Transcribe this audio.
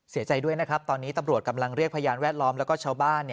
เสียใจด้วยนะครับตอนนี้ตำรวจกำลังเรียกพยานแวดล้อมแล้วก็ชาวบ้าน